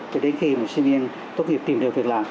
cho đến khi mà sinh viên tốt nghiệp tìm được việc làm